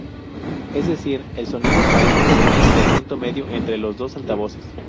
Es decir, el sonido parece provenir del punto medio entre los dos altavoces.